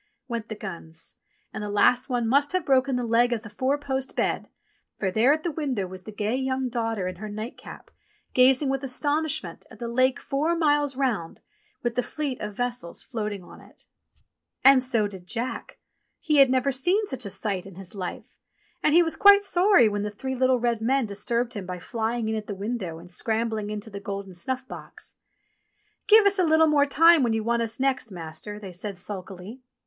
went the guns, and the last one must have broken the leg of the four post bed, for there at the window was the gay young daughter in her night cap, gazing with astonishment 42 ENGLISH FAIRY TALES i at the lake four miles round, with the fleet of vessels floating ! on it ! And so did Jack ! He had never seen such a sight in his life, and he was quite sorry when the three little red men ' disturbed him by flying in at the window and scrambling , into the golden snuff box. | "Give us a little more time when you want us next, i Master," they said sulkily.